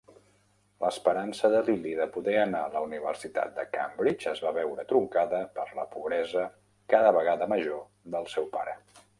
L'esperança de Lilly de poder anar a la Universitat de Cambridge es va veure truncada per la pobresa cada vegada major del seu pare.